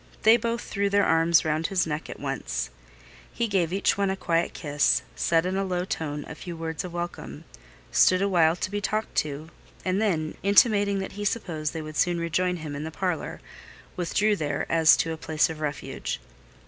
They both threw their arms round his neck at once. He gave each one quiet kiss, said in a low tone a few words of welcome, stood a while to be talked to, and then, intimating that he supposed they would soon rejoin him in the parlour, withdrew there as to a place of refuge.